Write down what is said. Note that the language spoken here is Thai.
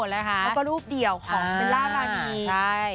แล้วก็รูปเดี่ยวของเบลล่ารานี